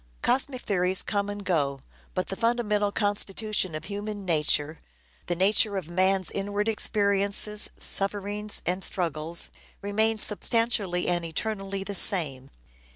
Cosmic theories come and go, but the fundamental constitution of human nature, the nature of man's inward experiences, sufferings and struggles, remains substantially and eternally the same.